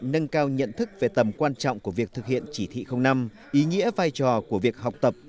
nâng cao nhận thức về tầm quan trọng của việc thực hiện chỉ thị năm ý nghĩa vai trò của việc học tập